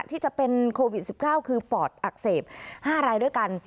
ที่จะเป็นโควิด๑๙คือปอดอักเสบ๕รายด้วยกัน